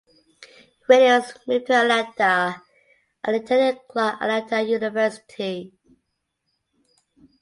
Williams moved to Atlanta and attended Clark Atlanta University.